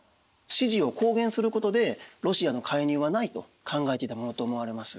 支持を公言することでロシアの介入はないと考えていたものと思われます。